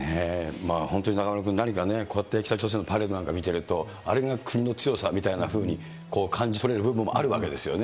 本当に中丸君、何かね、こうやって北朝鮮のパレードなんか見ていると、あれが国の強さみたいなふうに感じ取れる部分もあるわけですよね。